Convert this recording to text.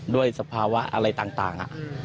ด้วยสภาวะอะไรต่างอะ